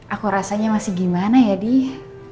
aku rasanya masih gimana ya dih